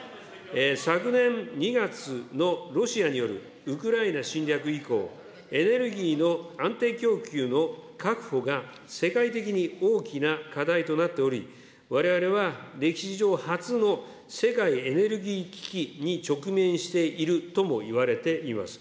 昨年２月のロシアによるウクライナ侵略以降、エネルギーの安定供給の確保が世界的に大きな課題となっており、われわれは歴史上初の世界エネルギー危機に直面しているともいわれています。